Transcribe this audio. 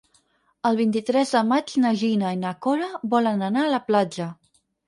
El vint-i-tres de maig na Gina i na Cora volen anar a la platja.